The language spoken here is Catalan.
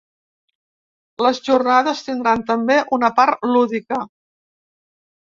Les jornades tindran també una part lúdica.